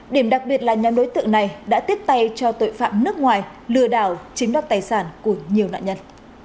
điểm đặc biệt là nhóm đối tượng này đã tiếp tay cho tội phạm nước ngoài lừa đảo chiếm đoạt tài sản của nhiều nạn nhân